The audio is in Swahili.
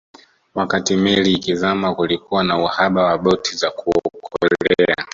Wakati meli ikizama kulikuwa na uhaba wa boti za kuokolea